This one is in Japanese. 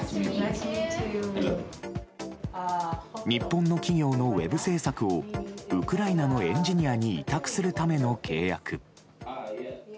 日本の企業のウェブ制作をウクライナのエンジニアに委託するための契約。